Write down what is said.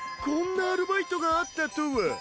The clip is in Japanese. こんなアルバイトがあったとは。